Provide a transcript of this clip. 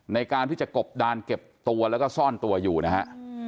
ในการที่จะกบดานเก็บตัวแล้วก็ซ่อนตัวอยู่นะฮะ